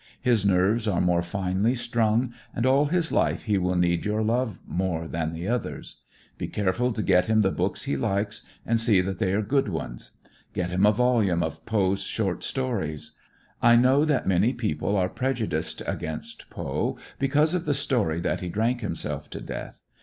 His nerves are more finely strung and all his life he will need your love more than the others. Be careful to get him the books he likes and see that they are good ones. Get him a volume of Poe's short stories. I know many people are prejudiced against Poe because of the story that he drank himself to death.